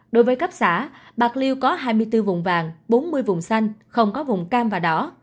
đối với cấp xã bạc liêu có hai mươi bốn vùng vàng bốn mươi vùng xanh không có vùng cam và đỏ